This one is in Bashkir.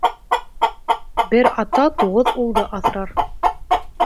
Бер ата туғыҙ улды аҫырар